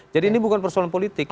jadi ini bukan persoalan politik